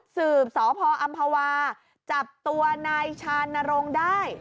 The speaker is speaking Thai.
สืบสพอำภาวาจับตัวนายชานรงค์ได้